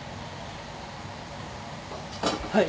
「はい。